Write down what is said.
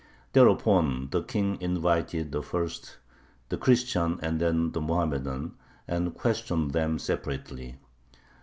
Thereupon the King invited first the Christian and then the Mohammedan, and questioned them separately.